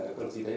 các quân chí thấy